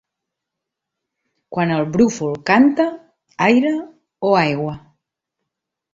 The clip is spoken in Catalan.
Quan el brúfol canta, aire o aigua.